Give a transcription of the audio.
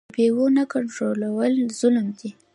د بیو نه کنټرول ظلم دی.